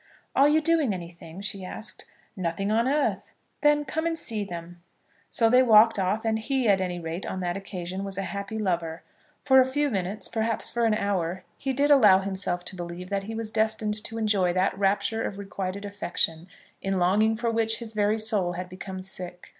"Are you doing anything?" she asked. "Nothing on earth." "Then come and see them." So they walked off, and he, at any rate, on that occasion was a happy lover. For a few minutes, perhaps for an hour, he did allow himself to believe that he was destined to enjoy that rapture of requited affection, in longing for which his very soul had become sick.